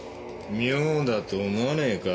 妙だと思わねえか？